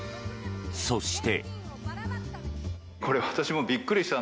そして。